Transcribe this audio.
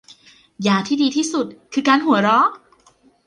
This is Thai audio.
ยาที่ดีที่สุดคือการหัวเราะ